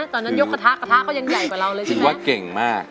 ยกกระทะกระทะก็ยังใหญ่กว่าเราเลยคิดว่าเก่งมาก